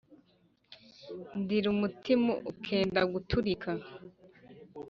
Ndira umutima ukenda guturika